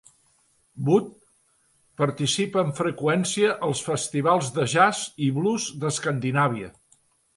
Wood participa amb freqüència als festivals de jazz i blues d'Escandinàvia.